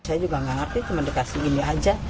saya juga gak ngerti cuma dikasih gini aja